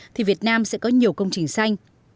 thì việt nam sẽ có nhiều công trình xanh